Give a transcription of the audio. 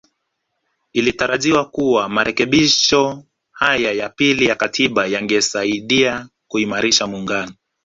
Ilitarajiwa kuwa marekebisho haya ya pili ya Katiba yangesaidia kuimarisha muungano